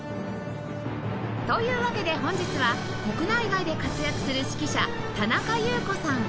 というわけで本日は国内外で活躍する指揮者田中祐子さん